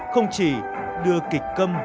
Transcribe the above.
không chỉ đưa kịch câm